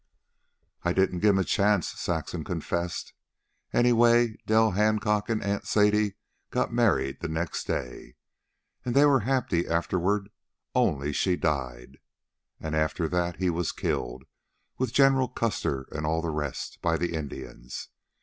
"I didn't give him a chance," Saxon confessed. "Anyway Del Hancock and Aunt Sadie got married next day. And they were very happy afterward, only she died. And after that he was killed, with General Custer and all the rest, by the Indians.